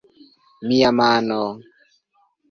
Mia mano...